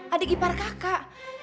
adik ipar kakak